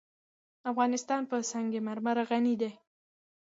افغانستان په سنگ مرمر غني دی.